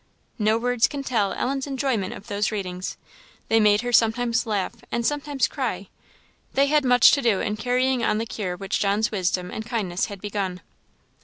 No words can tell Ellen's enjoyment of those readings. They made her sometimes laugh and sometimes cry; they had much to do in carrying on the cure which John's wisdom and kindness had begun.